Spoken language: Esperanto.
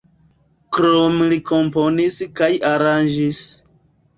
Krome li komponis kaj aranĝis.